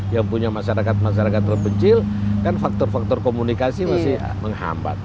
yang punya masyarakat masyarakat terpencil kan faktor faktor komunikasi masih menghambat